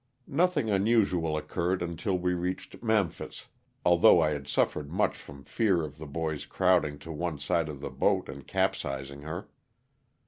Nothing unusual occurred until we reached Mem phis, although I had suffered much from fear of the boys crowding to one side of the boat and capsizing her.